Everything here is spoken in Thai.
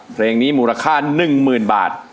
เพลงนี้มูลค่า๑๐๐๐บาท